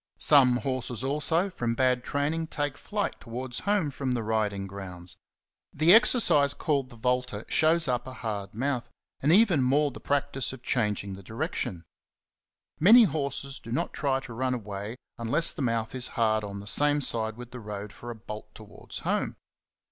Some horses, also, from bad training take flight towards home from the riding grounds. The exercise called the Volte '^ shows up a hard mouth, and even more the practice of chang ing the direction. Many horses do not try to run away unless the mouth is hard on the same side with the road for a bolt towards home.